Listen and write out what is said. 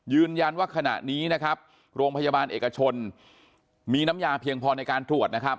ยืนยันว่าขณะนี้นะครับโรงพยาบาลเอกชนมีน้ำยาเพียงพอในการตรวจนะครับ